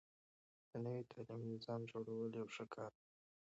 د نوي تعليمي نظام جوړول يو ښه کار دی.